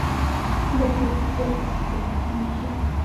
دا کار د سیاسي او کلتوري اختلافونو له امله شوی دی.